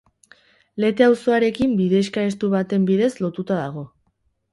Lete auzoarekin bidexka estu baten bidez lotuta dago.